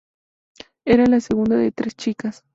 Era la segunda de tres chicas.